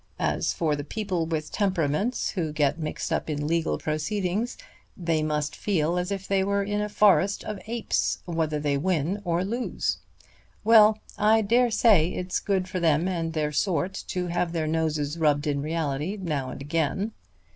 As for the people with temperaments who get mixed up in legal proceedings, they must feel as if they were in a forest of apes, whether they win or lose. Well, I dare say it's good for them and their sort to have their noses rubbed in reality now and again.